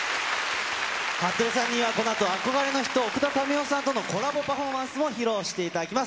はっとりさんには、このあと憧れの人、奥田民生さんとのコラボパフォーマンスも披露していただきます。